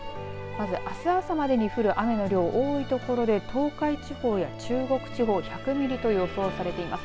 まず、あす朝までに降る雨の量多い所で東海地方や中国地方１００ミリと予想されています。